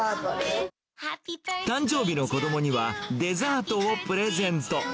誕生日の子どもには、デザートをプレゼント。